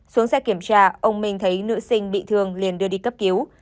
xuống xe kiểm tra ông minh thấy nữ sinh bị thương liền đưa đi cấp cứu